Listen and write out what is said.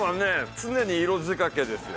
常に色仕掛けですよ